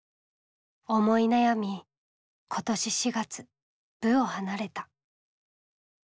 思い悩み今年４月部を離れた。